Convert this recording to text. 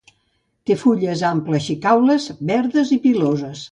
Té fulles amplexicaules, verdes i piloses.